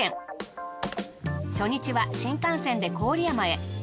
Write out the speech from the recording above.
初日は新幹線で郡山へ。